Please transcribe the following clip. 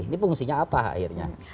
ini fungsinya apa akhirnya